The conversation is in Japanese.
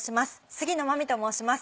杉野真実と申します。